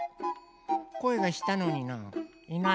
こえがしたのにな。